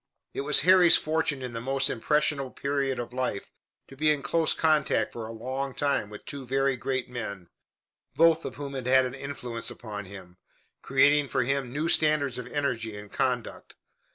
It was Harry's fortune in the most impressionable period of life to be in close contact for a long time with two very great men, both of whom had a vast influence upon him, creating for him new standards of energy and conduct.